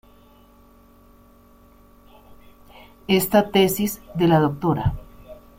Esta tesis de la Dra.